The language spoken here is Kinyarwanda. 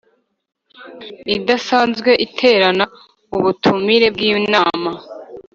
Idasanzwe iterane ubutumire bw inama